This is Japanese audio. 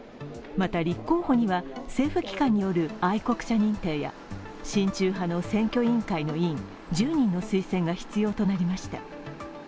また、立候補には政府機関による愛国者認定や親中派の選挙委員会の委員１０人の推薦が必要となりました。